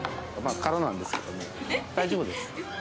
空なんですけど大丈夫です。